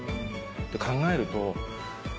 って考えると。